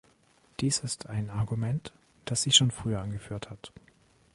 Dies ist ein Argument, das sie schon früher angeführt hat.